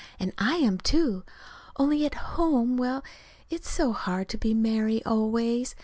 And I am, too. Only, at home well, it's so hard to be Mary always.